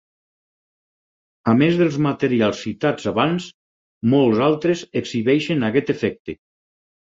A més dels materials citats abans, molts altres exhibeixen aquest efecte.